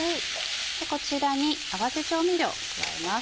こちらに合わせ調味料加えます。